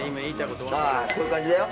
こういう感じだよ。